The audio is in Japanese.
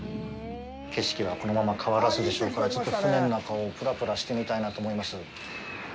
景色はこのまま変わらずでしょうから、ちょっと船の中をぷらぷらしてみたいなと思います。